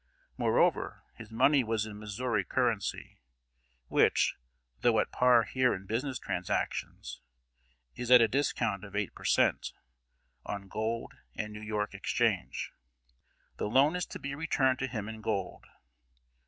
Moreover, his money was in Missouri currency, which, though at par here in business transactions, is at a discount of eight per cent. on gold and New York exchange. The loan is to be returned to him in gold.